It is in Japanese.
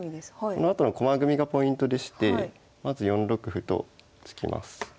このあとの駒組みがポイントでしてまず４六歩と突きます。